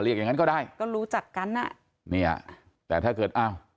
อย่างงั้นก็ได้ก็รู้จักกันอ่ะเนี่ยแต่ถ้าเกิดอ้าว